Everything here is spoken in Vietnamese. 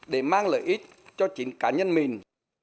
để mang lợi ích cho chính cá nhân mình